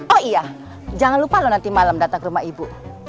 oh iya jangan lupa loh nanti malam datang ke rumah ibu